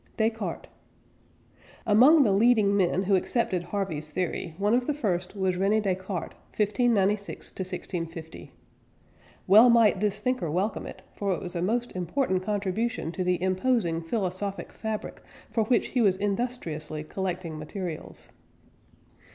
DESCARTES. Among the leading men who accepted Harvey's theory, one of the first was René Descartes (1596 1650). Well might this thinker welcome it, for it was a most important contribution to the imposing philosophic fabric for which he was industriously collecting materials.